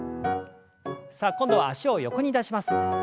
さあ今度は脚を横に出します。